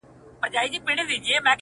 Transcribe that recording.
نه مي کوئ گراني خو ستا لپاره کيږي ژوند